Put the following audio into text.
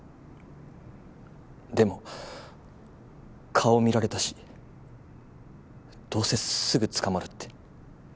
でも顔見られたしどうせすぐ捕まるって。